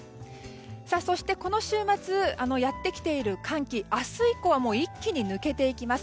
そして、この週末やってきている寒気明日以降は一気に抜けていきます。